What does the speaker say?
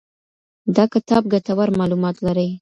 دا کتاب ګټور معلومات لري.